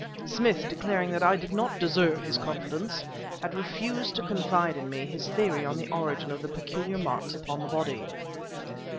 Smith, declaring that I did not deserve his confidence, had refused to confide in me his theory of the origin of the peculiar marks upon the body.